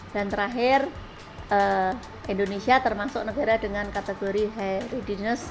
dan terakhir indonesia termasuk negara dengan kategori high readiness